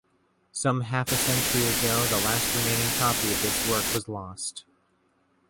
Some half a century ago the last remaining copy of this work was lost.